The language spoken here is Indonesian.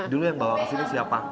dulu yang bawa ke sini siapa